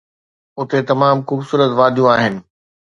اتي تمام خوبصورت واديون آهن